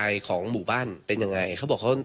ทางนิติกรหมู่บ้านแจ้งกับสำนักงานเขตประเวท